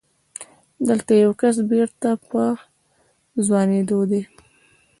دلته يو کس بېرته په ځوانېدو دی.